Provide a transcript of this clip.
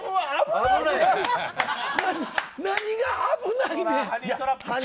何が危ないねん。